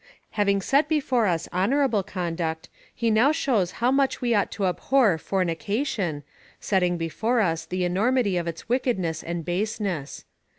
Having set before us honourable conduct, he now shows how much we ought to abhor fornication, setting before us the enormity of its wickedness and baseness.